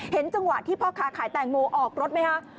จังหวะที่พ่อค้าขายแตงโมออกรถไหมคะ